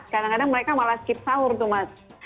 kadang kadang mereka malah skip sahur tuh mas